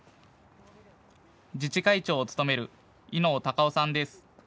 自治会長を務める伊能隆男さんです。